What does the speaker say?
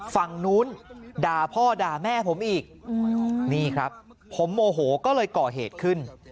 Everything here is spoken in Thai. ฝั่งนู้นด่าพ่อด่าแม่ผมอีกนี่ครับผมโมโหก็เลยก่อเหตุขึ้น